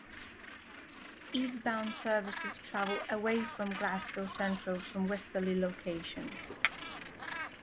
Eastbound services travel "away from" Glasgow Central from westerly locations.